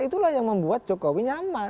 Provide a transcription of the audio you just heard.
itulah yang membuat jokowi nyaman